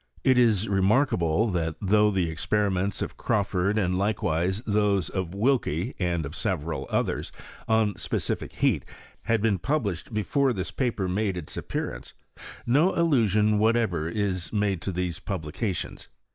It is remarkable 93 HISTORY or CHEHISTRT. that though the esjjeriments of Crawford, and hVe wise those of Wilcke, and of several others, on spe cific heat had been pubhshed before this paper made its appearance, no allusion whatever is made to these publications.